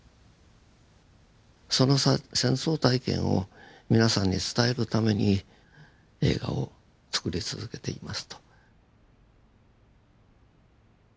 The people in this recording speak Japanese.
その戦争体験を皆さんに伝えるために映画をつくり続けていますと。